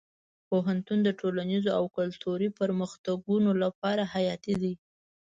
پوهنتون د ټولنیزو او کلتوري پرمختګونو لپاره حیاتي دی.